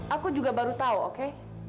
aku juga baru tahu oke